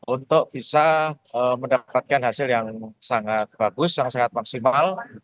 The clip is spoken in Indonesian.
untuk bisa mendapatkan hasil yang sangat bagus yang sangat maksimal